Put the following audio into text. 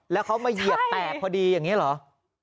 แล้วเขามาเหยียบแตกพอดีอย่างนี้เหรอ